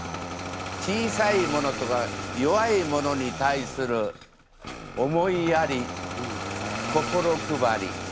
小さいものとか弱いものに対する思いやり心配り。